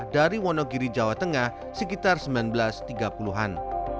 dari wonogiri jawa tengah sekitar seribu sembilan ratus tiga puluh an